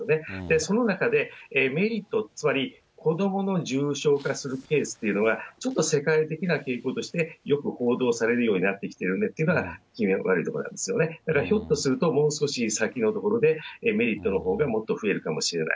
その中で、メリット、つまり子どもの重症化するケースというのは、ちょっと世界的な傾向として、よく報道されるようになってきているのが、わるいところ、だからひょっとするともう少し先のところで、メリットのほうがもっと増えるかもしれない。